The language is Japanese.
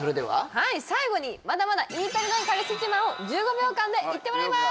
はい最後にまだまだ言い足りない彼氏自慢を１５秒間で言ってもらいます！